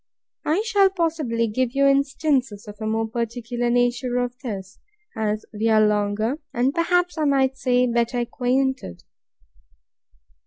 I shall, possibly, give you instances of a more particular nature of this, as we are longer, and, perhaps, I might say, better acquainted.